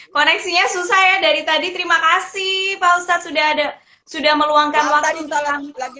koneksinya susah ya dari tadi terima kasih pak ustadz sudah ada sudah meluangkan waktu malam lagi